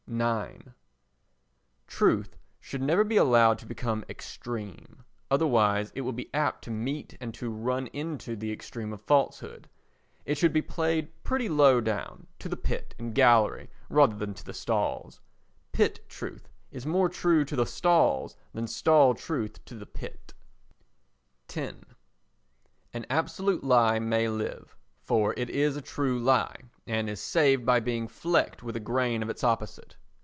ix Truth should never be allowed to become extreme; otherwise it will be apt to meet and to run into the extreme of falsehood. It should be played pretty low down—to the pit and gallery rather than the stalls. Pit truth is more true to the stalls than stall truth to the pit. x An absolute lie may live—for it is a true lie, and is saved by being flecked with a grain of its opposite.